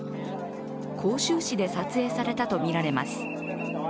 広州市で撮影されたとみられます。